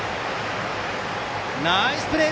ナイスプレー！